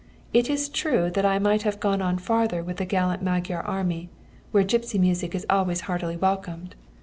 It is true that I might have gone on farther with the gallant Magyar army, where gipsy music is always heartily welcomed.